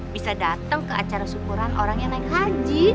bisa datang ke acara syukuran orang yang naik haji